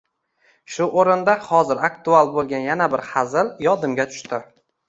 Shu o’rinda, hozir aktual bo’lgan yana bir hazil yodimga tushdi